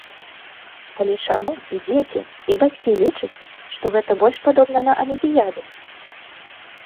Але чаму і дзеці, і бацькі лічаць, што гэта больш падобна на алімпіяду?